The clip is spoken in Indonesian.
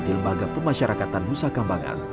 di lembaga pemasyarakatan usaha kembangan